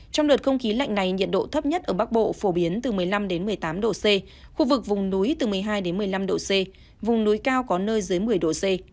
trong đợt không khí lạnh này nhiệt độ thấp nhất ở bắc bộ phổ biến từ một mươi năm một mươi tám độ c khu vực vùng núi từ một mươi hai đến một mươi năm độ c vùng núi cao có nơi dưới một mươi độ c